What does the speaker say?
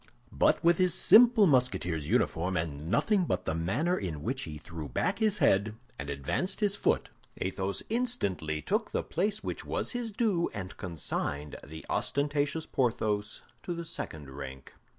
But with his simple Musketeer's uniform and nothing but the manner in which he threw back his head and advanced his foot, Athos instantly took the place which was his due and consigned the ostentatious Porthos to the second rank.